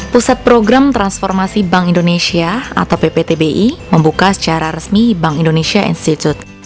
pusat program transformasi bank indonesia atau pptbi membuka secara resmi bank indonesia institute